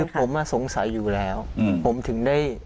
ผมสงสัยอยู่แล้วผมถึงได้